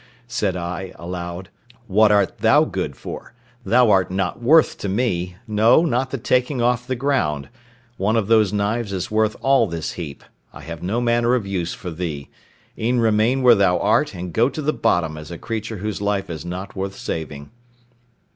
said I, aloud, "what art thou good for? Thou art not worth to me—no, not the taking off the ground; one of those knives is worth all this heap; I have no manner of use for thee—e'en remain where thou art, and go to the bottom as a creature whose life is not worth saving."